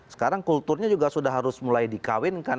sekarang kulturnya juga sudah harus mulai dikawinkan